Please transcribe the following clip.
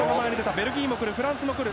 ベルギーもフランスも来る。